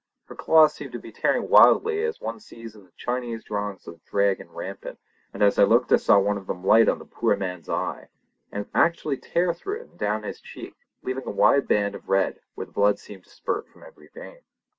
Her claws seemed to be tearing wildly as one sees in the Chinese drawings of the dragon rampant, and as I looked I saw one of them light on the poor man's eye, and actually tear through it and down his cheek, leaving a wide band of red where the blood seemed to spurt from every vein.